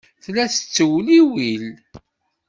Tella tettewliwil.